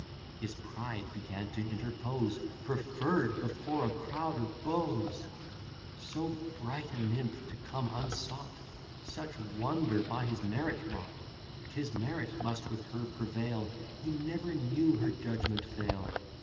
His pride began to interpose; Preferr'd before a crowd of beaux! So bright a nymph to come unsought! Such wonder by his merit wrought! 'Tis merit must with her prevail! He never knew her judgment fail!